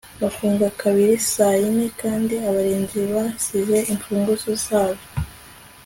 Bafunga kabiri saa yine kandi abarinzi basize imfunguzo zabo